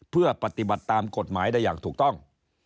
เพื่อปฏิบัติตามกฎหมายได้อย่างถูกต้อง